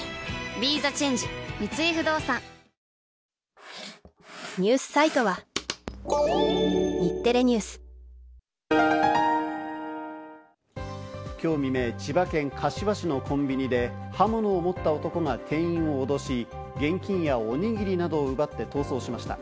ＢＥＴＨＥＣＨＡＮＧＥ三井不動産きょう未明、千葉県柏市のコンビニで刃物を持った男が店員を脅し、現金やおにぎりなどを奪って逃走しました。